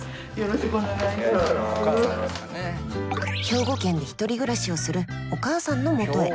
兵庫県で１人暮らしをするお母さんのもとへ。